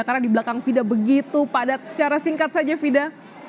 karena di belakang fida begitu padat secara singkat saja fida